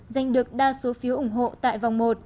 giành được đa số phiếu ủng hộ tại vòng một